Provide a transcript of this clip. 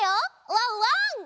ワンワン！